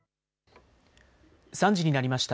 ３時になりました。